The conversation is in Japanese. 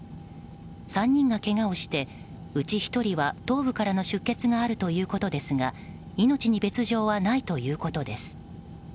３人がけがをして、うち１人は頭部からの出血があるということですが命に別条はないということです。